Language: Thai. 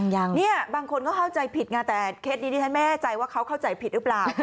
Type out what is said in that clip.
ยังเนี่ยบางคนก็เข้าใจผิดไงแต่เคสนี้ที่ฉันไม่แน่ใจว่าเขาเข้าใจผิดหรือเปล่า